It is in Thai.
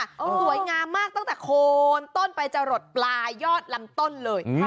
สวยงามมากตั้งแต่โคนต้นไปจะหลดปลายยอดลำต้นเลย